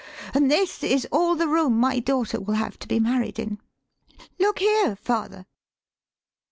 An' this is all the room my daughter will have to be married in. Look here, father!"